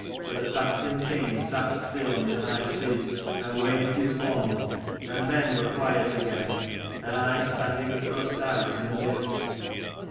But the Saxon king sat still on his high seat, and waved his wand, and men were quiet again and I standing thrust out in the midst.